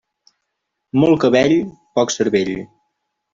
Molt cabell, poc cervell.